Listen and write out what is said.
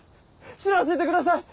死なせてください。